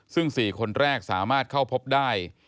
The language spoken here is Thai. ซึ่ง๔คนแรกสามารถเข้าพบได้